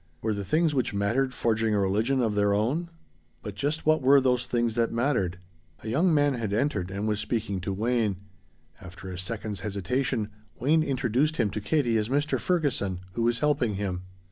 Were the things which "mattered" forging a religion of their own? But just what were those things that mattered? A young man had entered and was speaking to Wayne. After a second's hesitation Wayne introduced him to Katie as Mr. Ferguson, who was helping him.